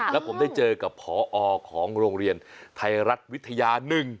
แล้วผมได้เจอกับผอของโรงเรียนไทยรัฐวิทยา๑